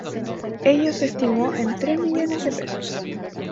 Ello se estimó en tres millones de pesos.